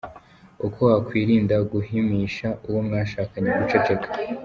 Uko wakwirinda guhimisha uwo mwashakanye guceceka.